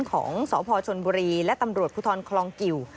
ของสพชนบุรีและตำรวจภูทรคลองกิว